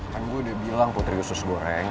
kan gue udah bilang putri usus goreng